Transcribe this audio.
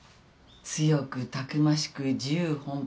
強くたくましく自由奔放。